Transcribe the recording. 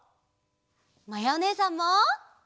まやおねえさんも！